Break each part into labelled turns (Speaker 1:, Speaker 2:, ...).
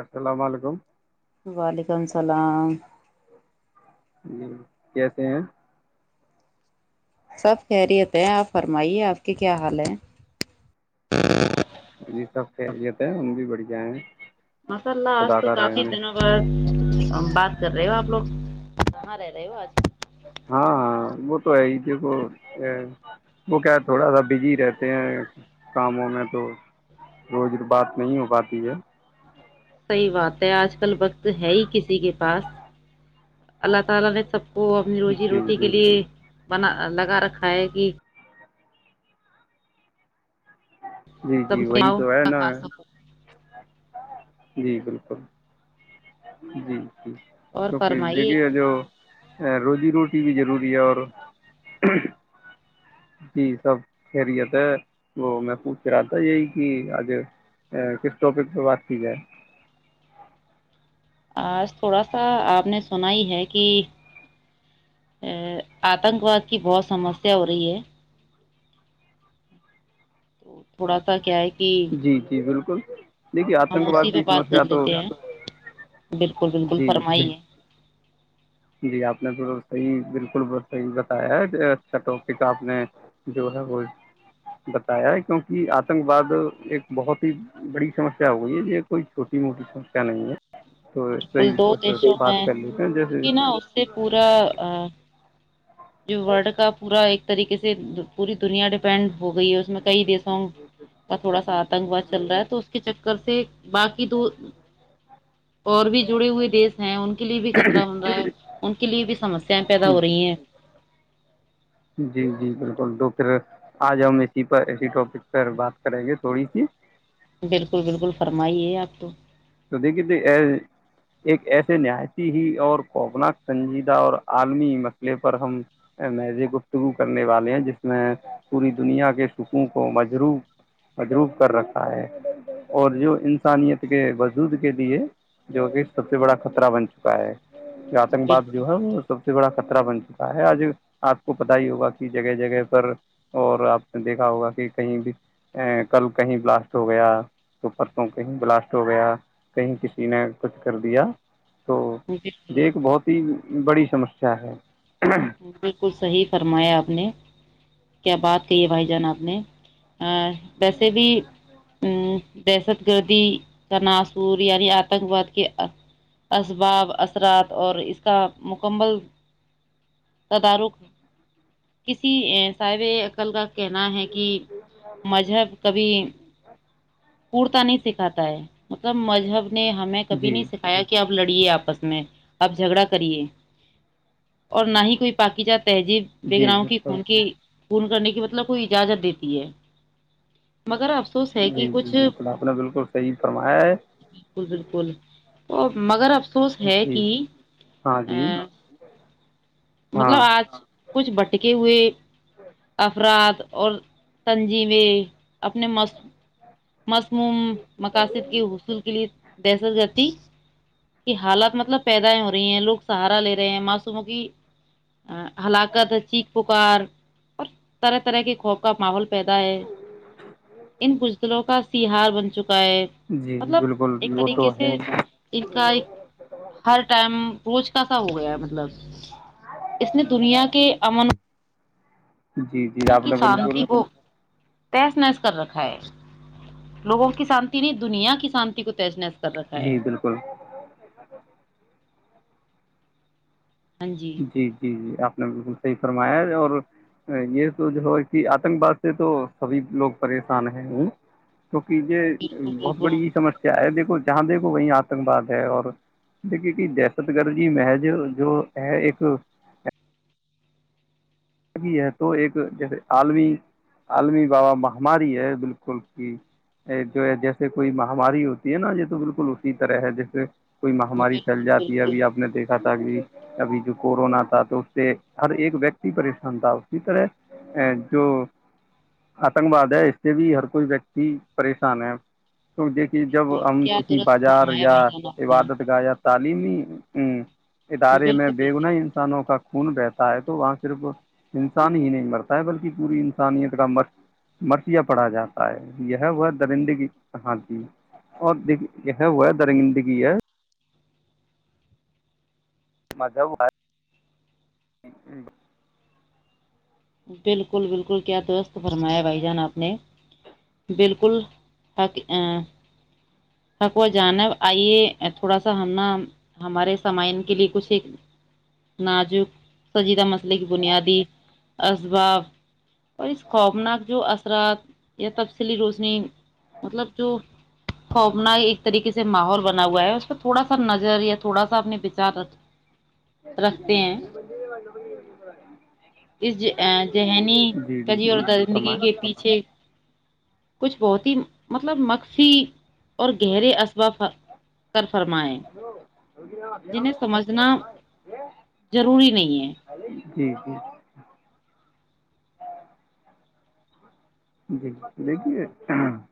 Speaker 1: السلام علیکم [unintelligible]
Speaker 2: وعلیکم السلام [unintelligible]
Speaker 1: جی کیسے ہیں [unintelligible]
Speaker 2: سب خیریت ہے آپ فرمائیے آپ کے کیا حال ہے [unintelligible]
Speaker 1: جی سب خیلیت ہے ان بھی بڑی [unintelligible] ج [inaudible]
Speaker 2: مساللہہ آج تو کافی دنوں بعد [unintelligible] بات کر رہے ہو آپ لوگ کہاں رہ رہے ہو آج [unintelligible]
Speaker 1: ہاں ہاں وہ تو ہے [unintelligible] د وہ کیا تھوڑا سا بزی رہتے ہیں کاموں میں تو روز بات نہیں ہو پاتی ہے [unintelligible]
Speaker 2: صحیح بات ہے آج کل وقت ہے ہی کسی کے پاس اللہ تعالی نے سب [unintelligible] وہ کو اپنی روزی
Speaker 1: جی
Speaker 2: روٹی کے لیے
Speaker 1: بالکل
Speaker 2: بنا لگا رکھا ہے کہ [inaudible]
Speaker 1: جی جی
Speaker 2: کم سے
Speaker 1: وہی
Speaker 2: آؤ
Speaker 1: تو ہے نا ہے [inaudible] جی بالکل جی [inaudible]
Speaker 2: اور
Speaker 1: کیکہ
Speaker 2: فرمائیے
Speaker 1: دیکھیے جو [inaudible] ا روزی روٹی بھی ضروری ہے اور [inaudible] جی سب خیریت ہے وہ میں پوچھ رہا تھا یہی کہ آج کس ٹاپک پہ بات کی جائے [inaudible]
Speaker 2: آج تھوڑا سا آپ نے سنا ہی ہے کہ ا آتنک واد کی بہت سمسیا ہو رہی ہے [inaudible] تو تھوڑا سا کیا ہے [inaudible]
Speaker 1: جی جی بالکل [inaudible] دیکھیے
Speaker 2: ہم
Speaker 1: آتنک
Speaker 2: اسی
Speaker 1: واد
Speaker 2: پہ
Speaker 1: کی
Speaker 2: بات کر
Speaker 1: سمسیا تو
Speaker 2: لیتے ہیں بالکل بالکل
Speaker 1: جی
Speaker 2: فرمائیے [inaudible]
Speaker 1: جی آپ نے تو صحی بالکل صحیح بتایا ہے اچھا ٹاپک آپ نے جو ہے وہ بتایا ہے کیونکہ آتنک واد ایک بہت ہی بڑی سمسیا ہو گئی ہے یہ کوئی چھوٹی موٹی سمسیا نہیں ہے [inaudible] تو
Speaker 2: کل دو
Speaker 1: صحیح
Speaker 2: دیشوں
Speaker 1: بات
Speaker 2: میں
Speaker 1: کر لیتے ہیں جیسے
Speaker 2: کہ
Speaker 1: [inaudible]
Speaker 2: اس سے پورا ا [inaudible] جو ورلڈ کا پورا ایک طریقے سے پوری دنیا ڈیپینڈ [inaudible] ہو گئی ہے اس میں کئی دیسوں کا تھوڑا سا آتنک واد چل رہا ہے تو اس کے چر [inaudible] سے [inaudible] باقی دو اور بھی جڑے ہوئے دیش ہیں ان کے لیے بھی خطرہ بن رہا ہے ان کے لیے بھی سمسیایں پیدا ہو رہی ہیں
Speaker 1: جی جی بالکل تو پھر آج ہم اسی پر اسی ٹاپک پر بات کریں گے تھوڑی سی
Speaker 2: بالکل بالکل فرمائیے آپ تو
Speaker 1: تو دیکھیے ایک ایسے نہایتی ہی اور کووپناک سنجیدہ اور عالمی مسئلے پر ہم میز گفتگو کرنے والے ہیں جس میں پوری دنیا کے سکوں کو مجرو مجروب کر رکھا ہے اور جو انسانیت کے دودھ کے دیے جو کہ سب سے بڑا خطرہ بن چکا ہے آتنک باد
Speaker 2: بالکل
Speaker 1: جو ہے وہ سب سے بڑا [inaudible] کہیں کسی نے کچھ کر دیا تو
Speaker 2: بالکل
Speaker 1: دیکھ بہت ہی بڑی [inaudible]
Speaker 2: بالکل صحیح فرمایا آپ نے کیا بات کہی ہے بھائی جان آپ نے ویسے بھی ا دہشت گردی کا ناصور یعنی آتنک واد کے اسباب اثرات اور اس کا مکمل تدارک کسی صاب عقل کا کہنا ہے کہ مذہب کبھی [inaudible] کوڑتا نہیں سکھاتا ہے مطلب مذہب نے ہمیں کبھی
Speaker 1: جی
Speaker 2: نہیں سکھایا کہ اب لڑیے آپس میں آپ جھگڑا کریے اور نہ ہی کو کوئی باقی جات تہذیب
Speaker 1: جی
Speaker 2: بغگراؤ کی
Speaker 1: بالکل
Speaker 2: خون کی پ کرنے کی مطلب کوئی اجازت دیتی ہے مگر افسوس ہے کہ
Speaker 1: جی جی
Speaker 2: کچھ
Speaker 1: بالکل آپ نے بالکل صحیح فرمایا ہے [unintelligible]
Speaker 2: وہ مگر اب مفسوس ہے
Speaker 1: جی
Speaker 2: کہ
Speaker 1: ہاں جی
Speaker 2: ا
Speaker 1: ہاں
Speaker 2: مطلب آج کچھ بٹکے ہوئے افراد اور تنظیمیں اپنے مصموم مقاصد کے حصول کے لیے دہشت گردی کی حالات مطلب پیدائ ہو رہی ہیں لوگ سہارا لے رہے ہیں معصوموں کی حلاکت چی پکار اور طرح طرح کے خوف کا ماحول پیدا ہے ان بجتلوں کا سہار بنتا
Speaker 1: جی
Speaker 2: مطلب
Speaker 1: بالکل
Speaker 2: ایک
Speaker 1: وہ تو
Speaker 2: طریقے
Speaker 1: ہے
Speaker 2: سے ان کا ایک ہر ٹائم بوچ تسا ہو گیا مطلب اس نے دنیا کے امن
Speaker 1: جی جی آپ نے بالکل
Speaker 2: تیش نس کر رکھا ہے لوگوں کی شانتی نہیں دنیا کی شانتی کو تیش نحس
Speaker 1: جی بالکل [unintelligible] جی جی جی آپ نے بالکل صحیح فرمایا اور یہ تو جو ہے کہ آتنک باد سے تو سبھی لوگ پریشان ہیں ہ کیک یہ
Speaker 2: بالکل
Speaker 1: بہت
Speaker 2: بالکل
Speaker 1: بڑی سمسیا ہے دیک جہاں دیکھو وہی آتنکواد ہے اور دیکھیے کہ دہشت گرد جی محج جو ا ایک بھی ہے تو ایک جیسے عالمی عالمی بابا مہاماری ہے بالکل کہ جو ہے جیسے کوئی مہاماری ہوتی ہے نا یہ تو بالکل اسی طرح ہے جیسے کوئی مہاری
Speaker 2: بالکل
Speaker 1: پھیل جاتی ہے ابھی
Speaker 2: بالکل
Speaker 1: آپ نے دیکھا تھا کہ ابھی جو کورونا تھا تو اس سے ہر ایک ویکتی پریشان ان اسی طرح ا جو آتنک واد ہے اس سے بھی ہر کوئی ویکتی پریشان ہے تو دیکھیے جب
Speaker 2: بالکل
Speaker 1: ہم
Speaker 2: کیا
Speaker 1: کسی
Speaker 2: درست
Speaker 1: بازار
Speaker 2: فرمایا
Speaker 1: یا
Speaker 2: بھائی جان آپ نے
Speaker 1: عبادت گایا تعلیمی ہ ادارے میں
Speaker 2: بالکل
Speaker 1: بے گنائی انسانوں کا خون بہتا ہے تو وہاں صرف انسان ہی نہیں مرتا ہے بلکہ پوری انسانیت کا مر مرثیا پڑا جاتا ہے یہ وہ درندگی ہاں جی اور د یہ وہ ہے درندگی ہے مھا وار [unintelligible]
Speaker 2: بالکل بالکل کیا دوست تو فرمایا بھائی جان آپ نے بالکل حق ا حق و جانب آئیے تھوڑا سا ہم ن ہمارے سامعن کے لیے کچھ ایک نازک سجیدہ مسئلے کی بنیادی اباب اور اس خوفناک جو اثرات یا تفصیلی روشنی مطلب جو خو اپنا ایک طریقے سے ماحول بنا ہوا ہے تھوڑا سا نظر یا تھوڑا سا اپنے وچار رکھ رکھتے ہیں
Speaker 1: مڑ بڑ [unintelligible]
Speaker 2: اس ذہنی کجی اور درندگی
Speaker 1: فرمائیں
Speaker 2: کے پیچھے کچھ بہت ہی مطلب مکسی اور گہرے اسباب کر فرمائے
Speaker 1: ہیلو
Speaker 2: سمجھنا ضروری نہیں ہے
Speaker 1: جی ج [inaudible] جی دیکھیے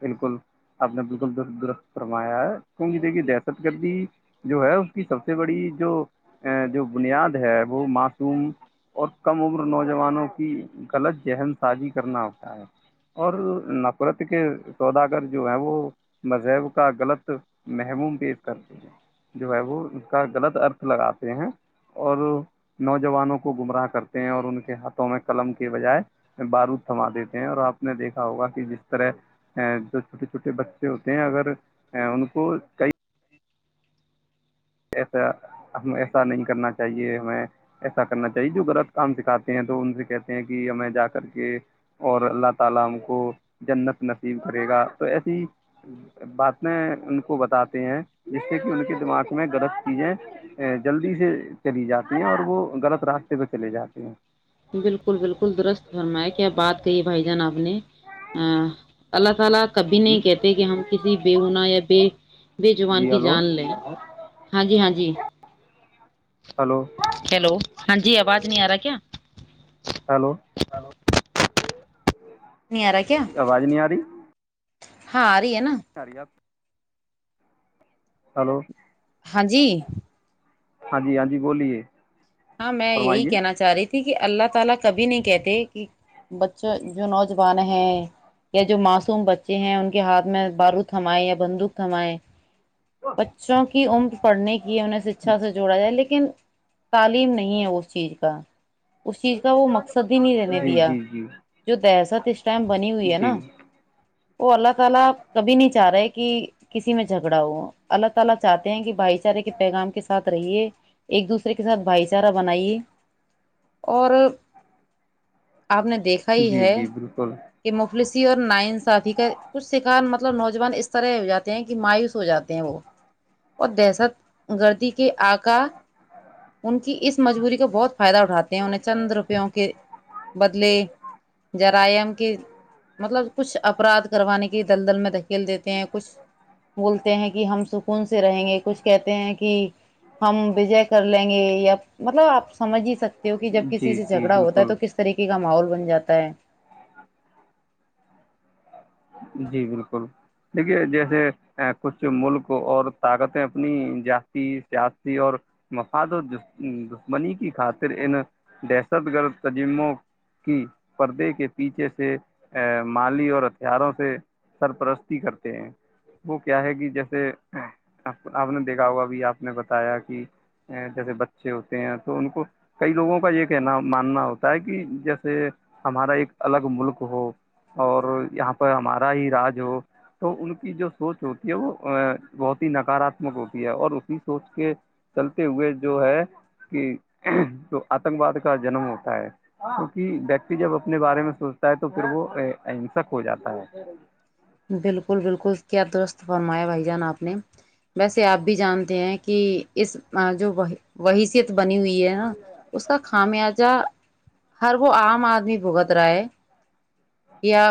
Speaker 1: بالکل آپ نے بالکل درست درست فرمایا ہے کیونکہ دیکھیے دہشت گردی جو ہے اس کی سب سے بڑی جو جو بنیاد ہے وہ معصوم اور کم عمر نوجوانوں کی غلط ذہن سازی کرنا ہوتا ہے اور نفرت کے سوداگر جو ہے وہ مذہب کا غلط محموم پیش کرتے ہیں جو ہے وہ اس کا غلط ارتھ لگاتے ہیں اور نوجوانوں کو گمراہ کرتے ہیں اور ان کے ہاتھوں میں قلم کے بجائے بارود تھما دیتے ہیں اور آپ نے دیکھا ہوگا کہ جس طرح جو چھوٹے چھوٹے بچے ہوتے ہیں اگر ان کو کئی [inaudible] غلط چیزیں جلدی سے چلی جاتی ہیں اور وہ غلط راستے پہ چلے جاتے ہیں
Speaker 2: بالکل بالکل درست بنما ہے کیا بات کہیے بھائی جان آپ اپ نے اللہ خال کبھی
Speaker 1: جی
Speaker 2: نہیں کہتے کہ ہم کسی بےگنا یا بے بےجبان
Speaker 1: جی
Speaker 2: کی
Speaker 1: ہلو
Speaker 2: جان لیں ہاں جی ہاں جی
Speaker 1: ہلو
Speaker 2: ہیلو ہاں جی آواز نہیں آ رہا کیا
Speaker 1: ہلو
Speaker 2: نہیں آ رہا کیا
Speaker 1: آواز نہیں آ رہی
Speaker 2: ہاں ا رہ ہے نا
Speaker 1: [inaudible] ہلو
Speaker 2: ہاں جی
Speaker 1: ہاں جی ہاں جی بولیے
Speaker 2: ہاں میں یہی
Speaker 1: فرمائیے
Speaker 2: کہنا چاہ رہی تھی ٹھیک ہے اللہ تعالی کبھی نہیں کہتے بچہ جو نوجوان ہے یا جو معصوم بچے ہیں ان کے ہاتھ میں بارو تھمائے یا بندوق تھمائیں بچوں کی عمر پڑھنے کی انہیں شکچھا سے جوڑا جائے لیکن تعلیم نہیں ہے اس چیز کا اس چیز کا وہ مقصد ہی نہیں رہنے
Speaker 1: جی
Speaker 2: دیا
Speaker 1: جی جی
Speaker 2: جو دہشت اس ٹائم بنی ہوئی ہے نا
Speaker 1: جی
Speaker 2: وہ اللہ تعالی کبھی نہیں چاہ رہے کہ کسی میں جھگڑا ہوا ہوں اللہ تعالی چاہتے ہیں کہ بھائی چارے کے پیغام کے ساتھ رہیے ایک دوسرے کے ساتھ بھائی چارہ بنائیے اور آپ نے دیکھا ہی
Speaker 1: جی
Speaker 2: ہے
Speaker 1: جی بالکل
Speaker 2: کہ مفلسی اور نائن ساتھی کا کچھ شکار مطلب نوجوان اس طرح ہو جاتے ہیں کہ مایوس ہو جاتے ہیں وہ اور دہشت گردی کے آکا ان کی اس مجبوری کا بہت فائدہ اٹھاتے ہیں انیں چند روپوں کے بدلے جرائم کے مطلب کچھ افراد کروانے کی دلدل میں دھکیل دیتے ہیں کچھ بولتے ہیں کہ ہم سکون سے رہیں گے کچھ کہتے ہیں کہ ہم وجے کر لیں گے یا مطلب آپ سمجھ ہی سکتے کہ جب
Speaker 1: جی
Speaker 2: کسی سے
Speaker 1: جی
Speaker 2: جھگڑا ہوتا
Speaker 1: بالکل
Speaker 2: تو کس طریقے کا ماحول ب جاتا ہے
Speaker 1: جی بالکل دیکھیے جیسے کچھ ملک اور طاقتیں اپنی ذاتی سیاسی اور مفاد و دشمنی کی خاطر ان دہشت گرد تجموں کی پردے کے پیچھے سے مالی اور پیاروں سے سرپرستی کرتے ہیں وہ کیا ہے کہ جیسے آپ نے دیکھا ہوگا ا بھی آپ نے بتایا کہ جیسے بچے ہوتے ہیں تو ان کو کئی لوگوں کا یہ کہنا ماننا ہوتا ہے کہ جیسے ہمارا ایک الگ ملک ہو اور یہاں ہمارا ہی راج ہو تو ان کی جو سوچ ہوتی ہے وہ بہت ہی نکاراتمک ہوتی ہے اور اسی سوچ کے چلتے ہوئے جو ہے کہ جو آتنک واد کا جنم ہوتا ہے کیونکہ ویکتی جب اپنے بارے میں سوچتا ہے تو پھر وہ اہنسک ہو جاتا ہے [inaudible]
Speaker 2: بالکل بالکل کیا درست فرمایا بھائی جان آپ نے ویسے آپ بھی جانتے ہیں کہ اس جو وہی سے بنی ہوئی ہے نا اس کا خامیازہ ہر وہ عام آدمی بھگت رہا ہے یا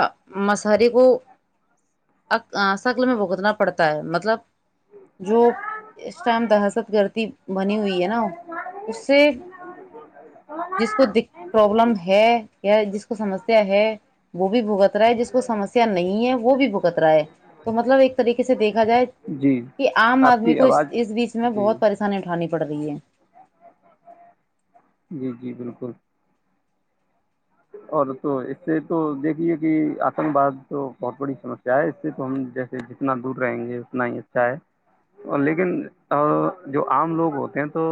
Speaker 2: مسہاری کو شکل میں بھگتنا پڑتا ہے مطلب جو اس ٹائم دہشت گردی بنی ہوئی ہے نا اس سے جس کو د پرابلم ہے جس کو سمسیا ہے وہ بھی بھگت رہا ہے جس کو سمسیا نہیں ہے وہ بھی بکت رہا ہے تو مطلب ایک طریقے سے دیکھ کہ جائے
Speaker 1: جی
Speaker 2: کہ آام
Speaker 1: آپ
Speaker 2: آدمی
Speaker 1: کی
Speaker 2: کو
Speaker 1: آواز
Speaker 2: اس بیچ میں
Speaker 1: جی
Speaker 2: بہت پریشانی اٹھانی پڑ بڑھ گئی ہے
Speaker 1: جی جی بالکل اور تو اس سے تو دیکھیے کہ آتنک باد تو بہت بڑی سمسیا ہے اس سے تو ہم جیسے جتنا دور رہیں گے اتنا ہی اچھا ہے لیکن جو عام لوگ ہوتے ہیں تو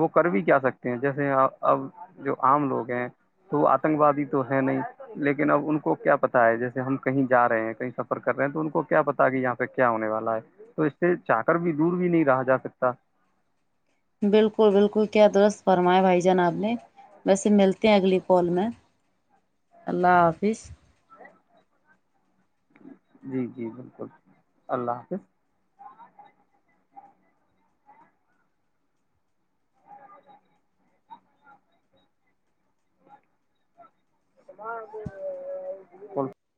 Speaker 1: وہ کر بھی کیا سکتے ہیں جیسے اب جو عام لوگ ہیں تو آتنک وادی تو ہے نہیں لیکن اب ان کو کیا پتا ہے جیسے ہم کہیں جا رہے ہیں کہیں سفر کر رہے ہیں تو ان کو کیا پتا کہ یہاں پہ کیا ہونے والا ہے تو اس سے چا کر بھی دور بھی نہیں رہا جا سکتا
Speaker 2: بالکل بالکل کیا درست بات فرمایا بھائی جان آپ نے ویسے ملتا ملتے ہیں اگلی کال میں اللہ حافظ
Speaker 1: جی جی بالکل اللہ حافظ [inaudible]